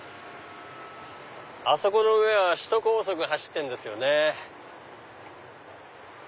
あそこの上は首都高速が走ってるんですよね。